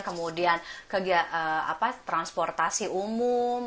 kemudian transportasi umum